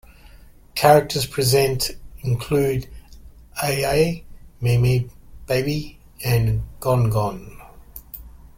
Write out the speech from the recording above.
Characters present include AiAi, MeeMee, Baby, and GonGon.